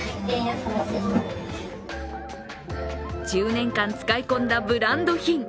１０年間使い込んだブランド品。